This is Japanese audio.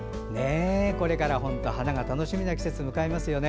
これから花が楽しみな季節迎えますよね。